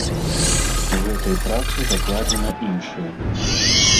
У гэтай працы закладзена іншае.